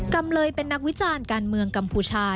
จำเลยเป็นนักวิจารณ์การเมืองกัมพูชา